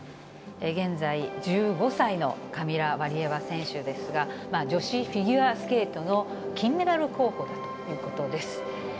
現在１５歳のカミラ・ワリエワ選手ですが、女子フィギュアスケートの金メダル候補ということです。